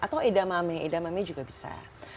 atau edamame edamame juga bisa